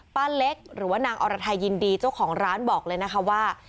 ป้าเล็กหรือว่านางอรไทยยินดีเจ้าของร้านบอกเลยนะคะว่า